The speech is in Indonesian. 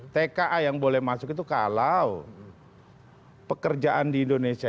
tka yang boleh masuk itu kalau pekerjaan di indonesia itu gak ada orang indonesia